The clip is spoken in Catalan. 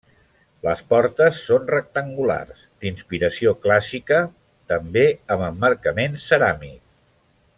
Les portes són rectangulars, d'inspiració clàssica, també amb emmarcament ceràmic.